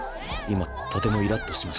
今とてもイラッとしました。